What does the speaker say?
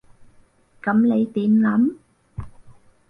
噉你點諗？